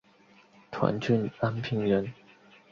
涿郡安平人。